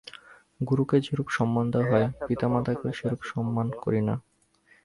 গুরুকে যেরূপ সম্মান দেওয়া হয়, পিতামাতাকেও আমরা সেরূপ সম্মান করি না।